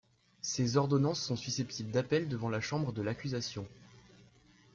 Ces ordonnances sont susceptibles d’appel devant la chambre de l'accusation.